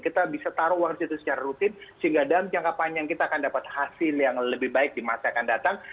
kita bisa taruh uang di situ secara rutin sehingga dalam jangka panjang kita akan dapat hasil yang lebih baik di masa yang akan datang